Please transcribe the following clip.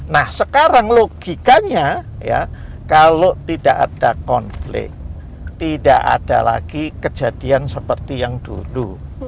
nah sekarang logikanya ya kalau tidak ada konflik tidak ada lagi kejadian seperti yang dulu